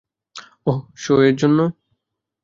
ওহ, show এর জন্য।